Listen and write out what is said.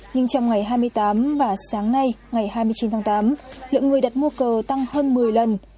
nhưng trong ngày hai mươi tám và sáng nay ngày hai mươi chín tháng tám lượng người đặt mua cờ tăng hơn một mươi lần